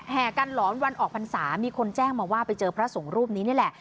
กันหลอนวันออกพรรษามีคนแจ้งมาว่าไปเจอพระสงฆ์รูปนี้นี่แหละ